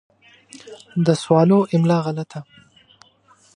د سوالو املا غلطه